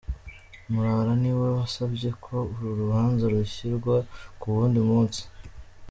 Murara ni we wasabye ko uru rubanza rushyirwa ku wundi munsi.